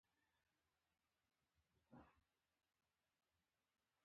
هغه فکر کاوه چې تیمورشاه به ژغورونکی شي.